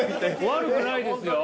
悪くないですよ。